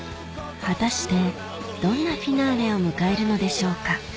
果たしてどんなフィナーレを迎えるのでしょうか？